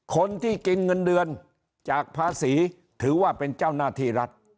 คนที่กินเงินเดือนจากภาษีถือว่าเป็นเจ้าหน้าที่รัฐ